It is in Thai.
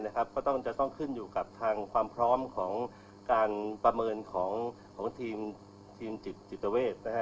ก็จะต้องขึ้นอยู่กับทางความพร้อมของการประเมินของทีมจิตเวทนะฮะ